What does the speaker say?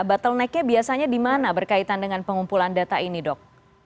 bottlenecknya biasanya di mana berkaitan dengan pengumpulan data ini dok